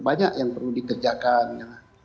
banyak yang perlu dikerjakan